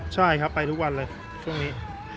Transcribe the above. ใช่ครับไปทุกวันเลยช่วงนี้